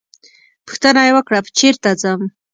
پوښتنه یې وکړه چېرته ځم.